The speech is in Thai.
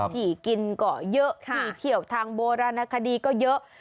ที่กินก็เยอะที่เที่ยวทางโบราณคดีก็เยอะ